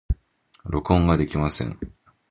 録音ができません。